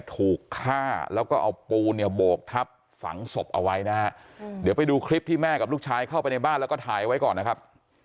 ถูกฆ่าแล้วก็เอาปูนเนี่ยโบกทับฝังศพเอาไว้นะฮะเดี๋ยวไปดูคลิปที่แม่กับลูกชายเข้าไปในบ้านแล้วก็ถ่ายไว้ก่อนนะครับ